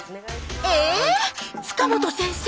ええ⁉塚本先生